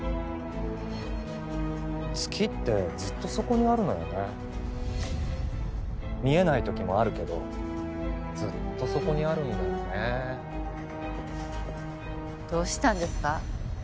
月ってずっとそこにあるのよね見えない時もあるけどずっとそこにあるんだよねどうしたんですか？